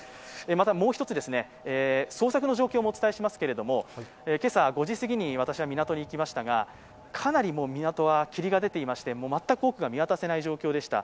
またもう一つ、捜索の状況もお伝えしますけれども、今朝５時すぎに私は港に行きましたが、かなり港は霧が出ていまして全く奥が見渡せない状況でした。